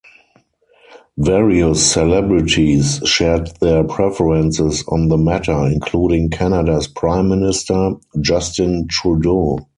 Various celebrities shared their preferences on the matter, including Canada's Prime Minister, Justin Trudeau.